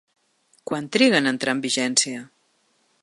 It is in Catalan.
Quant triga en entrar en vigència?